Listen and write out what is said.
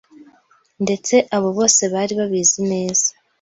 ndetse abo bose bari babizi neza